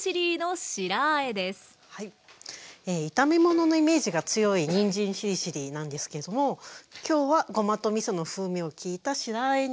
炒め物のイメージが強いにんじんしりしりーなんですけれども今日はごまとみその風味の利いた白あえに仕上げていきます。